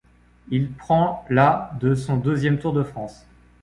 Il prend la de son deuxième Tour de France.